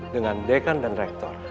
dengan dekan dan rektor